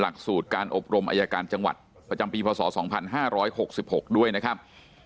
หลักสูตรการอบรมอายการจังหวัดประจำปีพศ๒๕๖๖ด้วยนะครับ